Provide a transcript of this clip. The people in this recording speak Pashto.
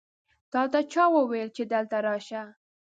تاته چا وویل چې دلته راشه؟